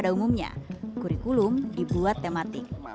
dan pada umumnya kurikulum dibuat tematik